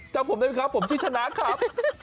จำผมได้ไหมครับผมชื่อชนะครับ